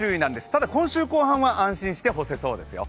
ただ今週後半は安心して干せそうですよ。